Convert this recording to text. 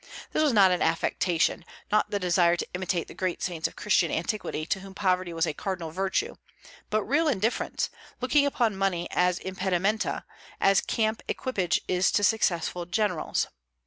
This was not an affectation, not the desire to imitate the great saints of Christian antiquity to whom poverty was a cardinal virtue; but real indifference, looking upon money as impedimenta, as camp equipage is to successful generals.